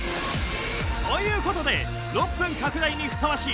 ということで６分拡大にふさわしい